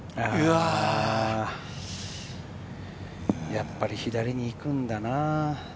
やっぱり左に行くんだな。